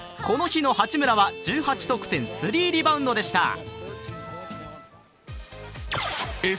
この日の八村は、１８得点、３リバウンドでした。